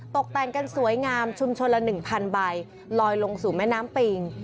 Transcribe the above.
ตกแต่งกันสวยงามชุมชนละ๑๐๐ใบลอยลงสู่แม่น้ำปิง